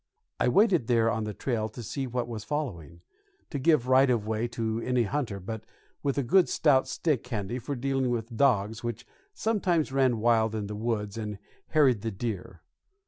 I waited there on the trail to see what was following to give right of way to any hunter, but with a good stout stick handy, for dealing with dogs, which sometimes ran wild in the woods and harried the deer.